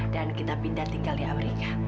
dan kita pindah tinggal di amerika